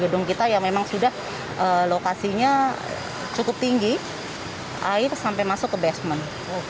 gedung kita yang memang sudah lokasinya cukup tinggi air sampai masuk ke basement